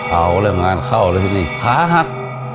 เอาเรื่องงานเข้าเลยทีนี้ขาหัก